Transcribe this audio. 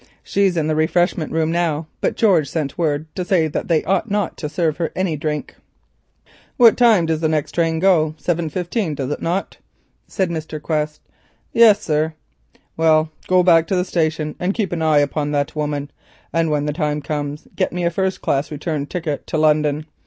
She is in the refreshment room now, but George sent word to say that they ought not to serve her with any drink." "What time does the next train go—7.15, does it not?" said Mr. Quest. "Yes, sir." "Well, go back to the station and keep an eye upon that woman, and when the time comes get me a first class return ticket to London.